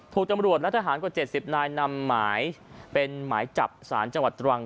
ตำรวจและทหารกว่า๗๐นายนำหมายเป็นหมายจับสารจังหวัดตรัง